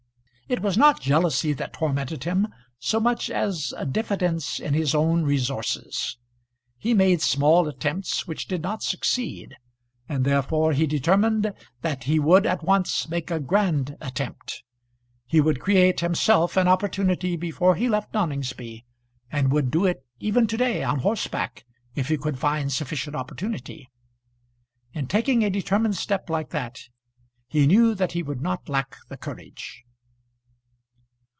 It was not jealousy that tormented him, so much as a diffidence in his own resources. He made small attempts which did not succeed, and therefore he determined that he would at once make a grand attempt. He would create himself an opportunity before he left Noningsby, and would do it even to day on horseback, if he could find sufficient opportunity. In taking a determined step like that, he knew that he would not lack the courage.